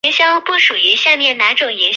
中轴骨是骨骼系统的一部分。